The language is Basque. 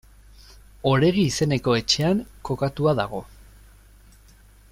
Oregi izeneko etxean kokatua dago.